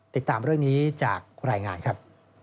ติดตามเรื่องนี้จากรายงานครับ